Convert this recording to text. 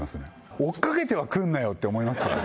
追っかけては来るなよって思いますけどね。